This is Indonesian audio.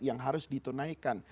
yang harus ditunaikan